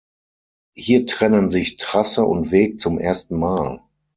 Hier trennen sich Trasse und Weg zum ersten Mal.